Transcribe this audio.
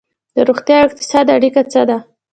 د روغتیا او اقتصاد اړیکه څه ده؟